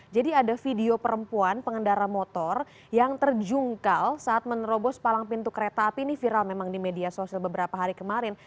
jadi ada video perempuan pengendara motor yang terjungkal saat menerobos palang pintu kereta api ini viral memang di media sosial beberapa hari kemarin